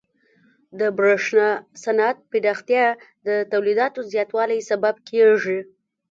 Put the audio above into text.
د برېښنا صنعت پراختیا د تولیداتو زیاتوالي سبب کیږي.